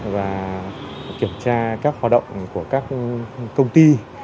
và kiểm tra các hoạt động của các công ty